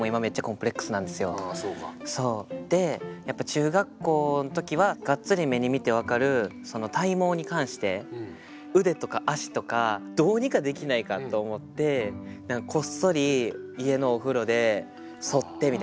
で中学校の時はガッツリ目に見て分かる体毛に関して腕とか足とかどうにかできないかと思ってこっそり家のお風呂でそってみたいな。